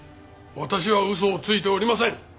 私は嘘をついておりません。